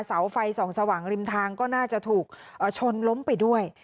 เสาไฟส่องสว่างริมทางก็น่าจะถูกชนล้มไปด้วย